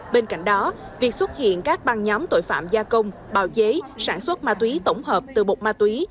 bên cạnh đó việc xuất hiện các băng nhóm tội phạm gia công bào chế sản xuất ma túy tổng hợp từ bột ma túy